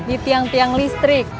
di tiang tiang listrik